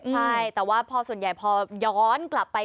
ใช่แต่ว่าพอส่วนใหญ่พอย้อนกลับไป